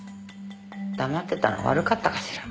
黙ってたの悪かったかしら？